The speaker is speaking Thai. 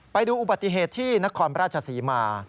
ไปดูอุบัติเหตุที่นครราชศรีมา